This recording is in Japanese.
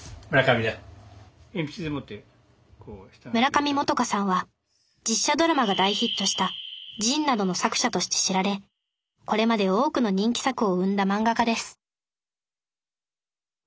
村上もとかさんは実写ドラマが大ヒットした「ＪＩＮ−仁−」などの作者として知られこれまで多くの人気作を生んだ漫画家です